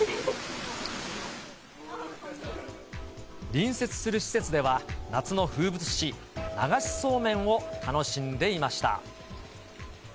隣接する施設では、夏の風物詩、流しそうめんを楽しんでいました。